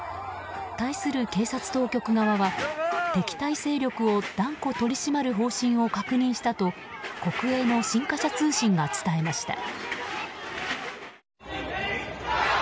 対する警察当局側は敵対勢力を断固取り締まる方針を確認したと国営の新華社通信が伝えました。